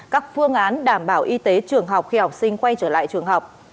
các phương án đảm bảo y tế trường học khi học sinh quay trở lại trường học